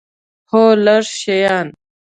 هو، لږ شیان